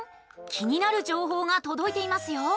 気になる情報が届いていますよ！